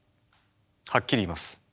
はっきり言います。